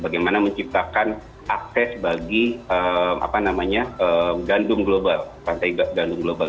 bagaimana menciptakan akses bagi apa namanya gandum global